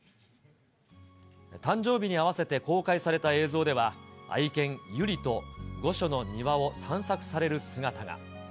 誕生日に合わせて公開された映像では、愛犬、由莉と御所の庭を散策される姿が。